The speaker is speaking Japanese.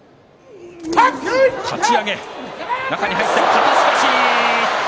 肩すかし。